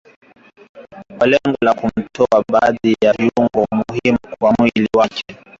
kwa lengo la kumtoa baadhi ya viungo muhimu vya mwili wake